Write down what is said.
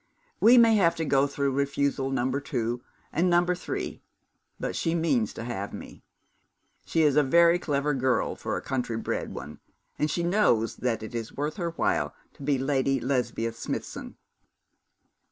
'We may have to go through refusal number two and number three; but she means to have me. She is a very clever girl for a countrybred one; and she knows that it is worth her while to be Lady Lesbia Smithson.'